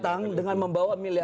yang dimana tadi begitu saja